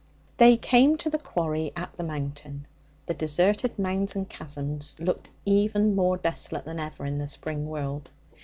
They came to the quarry at the mountain; the deserted mounds and chasms looked more desolate than ever in the spring world.